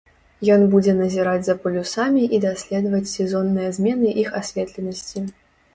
Ён будзе назіраць за полюсамі і даследаваць сезонныя змены іх асветленасці.